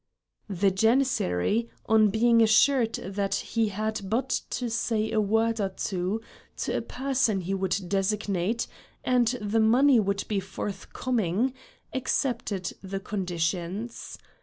The Janissary, on being assured that he had but to say a word or two to a person he would designate and the money would be forthcoming, accepted the conditions.